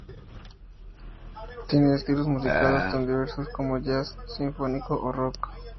Tiene estilos musicales tan diversos como jazz, sinfónico o rock.